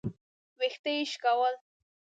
ويښته يې شکول.